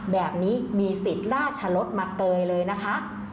แบบนี้มีสิทธิ์ล่าชะลดมาเกยเลยนะคะ